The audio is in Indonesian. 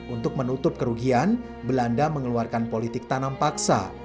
untuk menutup kerugian belanda mengeluarkan politik tanam paksa